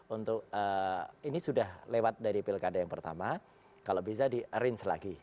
untuk ini sudah lewat dari pilkada yang pertama kalau bisa di arrange lagi